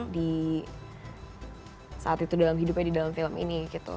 di saat itu dalam hidupnya di dalam film ini gitu